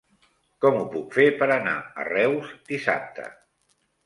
Com ho puc fer per anar a Reus dissabte?